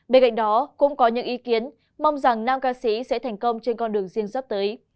bên cạnh đó cũng có những ý kiến mong rằng nam ca sĩ sẽ thành công trên con đường riêng sắp tới